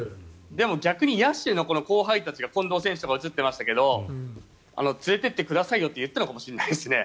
逆に野手の後輩たちが近藤選手とか写ってましたけど連れてってくださいよって言ったのかもしれないですね。